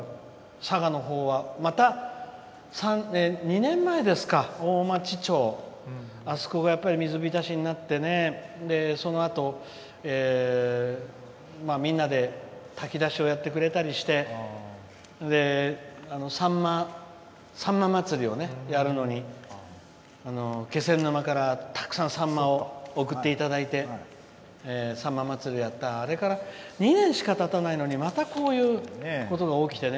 ほかにも佐賀のほうは、また２年前ですが大町町あそこが水浸しになってそのあと、炊き出しをやってくれたりしてさんま祭りをやるのに気仙沼から、たくさん、さんまを送っていただいてさんま祭りをやった、あれから２年しかたたないのにまた、こういうことが起きてね